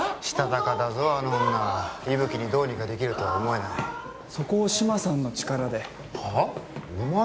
したたかだぞあの女伊吹にどうにかできるとは思えないそこを志摩さんの力ではあ？